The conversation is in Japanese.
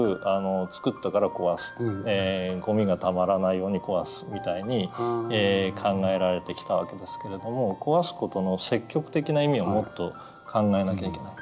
ゴミがたまらないように壊すみたいに考えられてきた訳ですけれども壊す事の積極的な意味をもっと考えなきゃいけない。